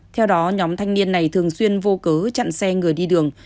theo đó nhóm thanh niên này thường xuyên vô cớ chặn xe người đi đường